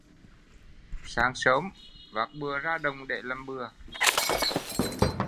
Sáng sớm vác bừa ra đồng để bừa